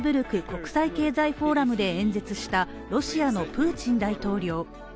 国際経済フォーラムで演説したロシアのプーチン大統領。